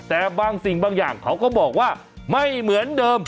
แต่บางสิ่งบางอย่างเขาก็บอกว่าไม่เหมือนเดิม